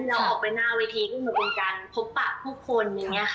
เราออกไปหน้าวิทย์เป็นการพบปะผู้คน